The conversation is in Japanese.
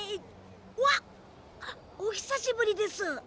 わっおひさしぶりです。